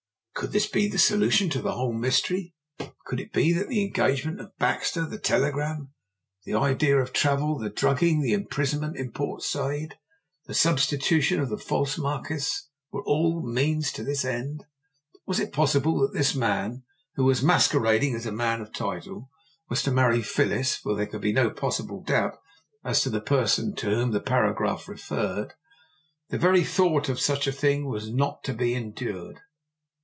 Could this be the solution of the whole mystery? Could it be that the engagement of Baxter, the telegram, the idea of travel, the drugging, the imprisonment in Port Said, the substitution of the false marquis, were all means to this end? Was is possible that this man, who was masquerading as a man of title, was to marry Phyllis (for there could be no possible doubt as to the person to whom that paragraph referred)? The very thought of such a thing was not to be endured.